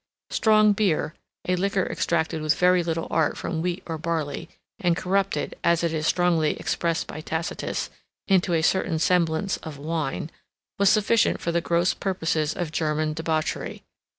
] Strong beer, a liquor extracted with very little art from wheat or barley, and corrupted (as it is strongly expressed by Tacitus) into a certain semblance of wine, was sufficient for the gross purposes of German debauchery.